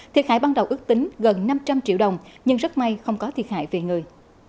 thiệt hại ban đầu ước tính gần năm trăm linh triệu đồng nhưng rất may không có thiệt hại về người